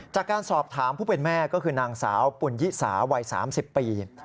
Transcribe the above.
จากการสอบถามผู้เป็นแม่ก็คือนางสาวปุ่นยิสาวัย๓๐ปี